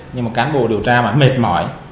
nhưng mà cán bộ điều tra mà mệt mỏi